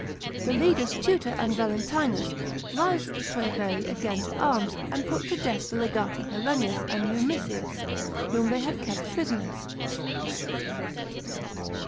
The leaders Tutor and Valentinus roused the Treveri again to arms, and put to death the leyati Herennius and Numisius, whom they had kept prison< rs.